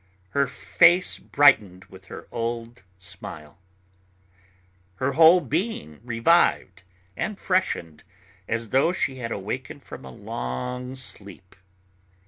Her face brightened with her old smile. Her whole being revived and freshened, as though she had awakened from a long sleep.